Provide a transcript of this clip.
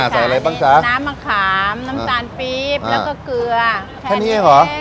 น้ำมะขามน้ำตาลปี๊บแล้วก็เกลือแค่นี้เหรอ